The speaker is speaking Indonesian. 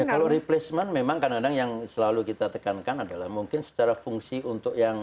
ya kalau replacement memang kadang kadang yang selalu kita tekankan adalah mungkin secara fungsi untuk yang